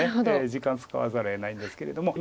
時間使わざるをえないんですけれども。